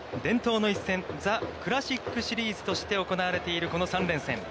伝統の一戦、ザ・クラシックシリーズとして行われているこの３連戦。